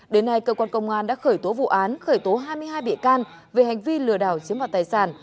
đến nay cơ quan công an đã khởi tố vụ án khởi tố hai mươi hai bị can về hành vi lừa đảo chiếm vào tài sản